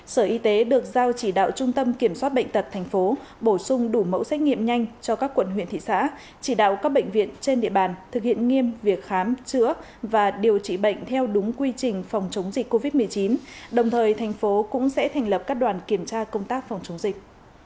sở y tế được giao chỉ đạo trung tâm kiểm soát bệnh tật tp hcm bổ sung đủ mẫu xét nghiệm nhanh cho các quận huyện thị xã chỉ đạo các bệnh viện trên địa bàn thực hiện nghiêm việc khám chữa và điều trị bệnh theo đúng quy trình phòng chống dịch covid một mươi chín đồng thời thành phố cũng sẽ thành lập các đoàn kiểm tra công tác phòng chống dịch